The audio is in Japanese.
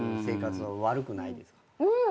うん！